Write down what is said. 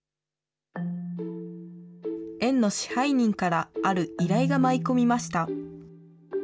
園の支配人から、ある依頼が舞い込みました。